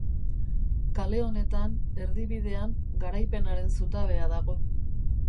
Kale honetan, erdi bidean, Garaipenaren Zutabea dago.